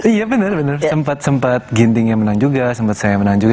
iya bener bener sempat sempat ginting yang menang juga sempat saya yang menang juga